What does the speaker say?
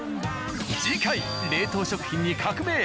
次回冷凍食品に革命。